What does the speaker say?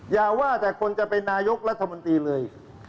อย่าว่าแต่คนจะเป็นนายกรัฐมนตรีเลย